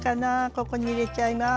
ここに入れちゃいます。